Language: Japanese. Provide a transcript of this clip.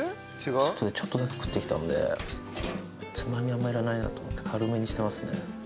外でちょっとだけ食ってきたんで、つまみ、あんまいらないなと思って、軽めにしてますね。